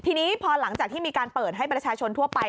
ทีนี้พอหลังจากที่มีการเปิดให้ประชาชนทั่วไป